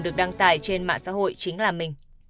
được đăng tải trên mạng xã hội chính là mình